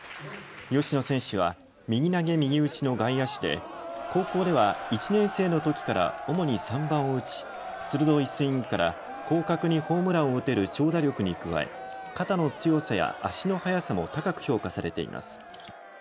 吉野選手は右投げ右打ちの外野手で高校では１年生のときから主に３番を打ち、鋭いスイングから広角にホームランを打てる長打力に加え肩の強さや足の速さも高く評価されています。